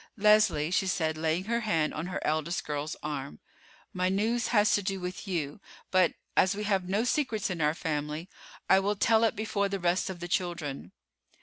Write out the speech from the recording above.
"Leslie," she said laying her hand on her eldest girl's arm, "my news has to do with you; but, as we have no secrets in our family, I will tell it before the rest of the children."